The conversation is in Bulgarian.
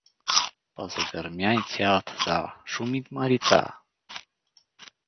Па загьрмя и цялата зала: — Шумит Марица!